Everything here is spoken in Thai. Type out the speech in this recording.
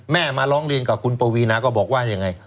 มาร้องเรียนกับคุณปวีนาก็บอกว่ายังไง